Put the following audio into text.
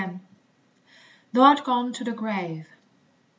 THOU ART GONE TO THE GRAVE.